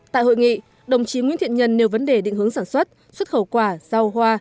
tại hội nghị đồng chí nguyễn thiện nhân nêu vấn đề định hướng sản xuất xuất khẩu quả rau hoa